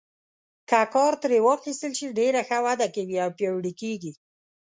که کار ترې واخیستل شي ډېره ښه وده کوي او پیاوړي کیږي.